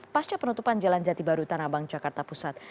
pasca penutupan jalan jati baru tanah abang jakarta pusat